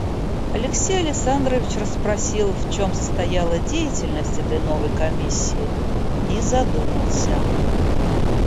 Алексей Александрович расспросил, в чем состояла деятельность этой новой комиссии, и задумался.